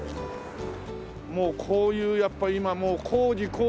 もうこういうやっぱ今工事工事のね。